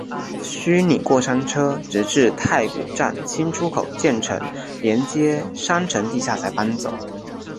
虚拟过山车直至太古站新出口建成连接商场地下才搬走。